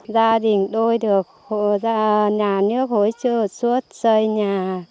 gia đình tôi được nhà nước hối trưa suốt xây nhà